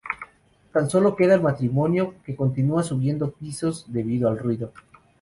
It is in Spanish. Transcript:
Tan solo queda el matrimonio, que continúa subiendo pisos debido al ruido.